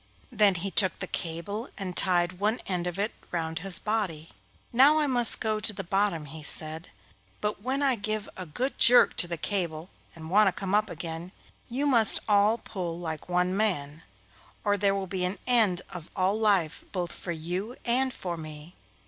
Then he took the cable and tied one end of it round his body. 'Now I must go to the bottom,' he said, 'but when I give a good jerk to the cable and want to come up again, you must all pull like one man, or there will be an end of all life both for you and for me.